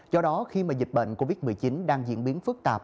do đó khi mà dịch bệnh covid một mươi chín đang diễn biến phức tạp